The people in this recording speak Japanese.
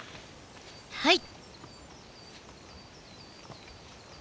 はい！